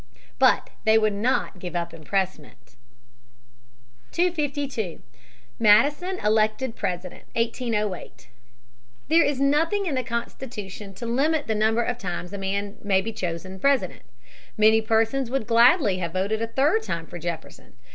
But they would not give up impressment. [Sidenote: Madison elected President, 1808.] 252. Madison elected President, 1808. There is nothing in the Constitution to limit the number of times a man may be chosen President. Many persons would gladly have voted a third time for Jefferson.